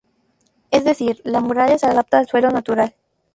Es decir, la muralla se adapta al suelo natural.